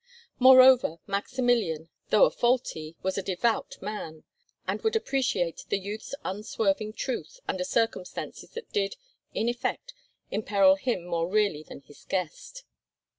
Moreover, Maximilian, though a faulty, was a devout man, and could appreciate the youth's unswerving truth, under circumstances that did, in effect, imperil him more really than his guest.